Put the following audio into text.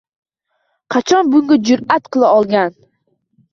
Qachon bunga jur'at qila olgan?